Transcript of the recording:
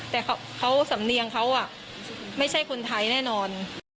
แต่เขาสำเนียงเขาไม่ใช่คนไทยแน่นอน